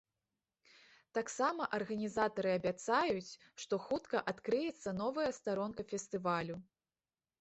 Таксама арганізатары абяцаюць, што хутка адкрыецца новая старонка фестывалю.